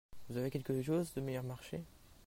Vous avez quelque chose de meilleur marché ?